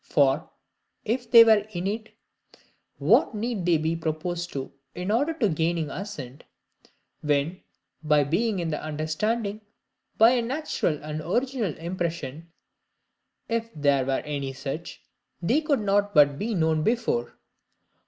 For, if they were innate, what need they be proposed in order to gaining assent, when, by being in the understanding, by a natural and original impression, (if there were any such,) they could not but be known before?